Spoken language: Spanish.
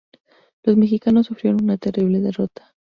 Los mexicanos sufrieron una terrible derrota.